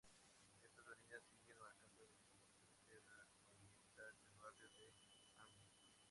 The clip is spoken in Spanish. Estas avenidas siguen marcando el límite oriental del barrio del Anglo.